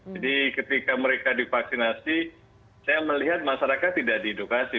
jadi ketika mereka divaksinasi saya melihat masyarakat tidak di edukasi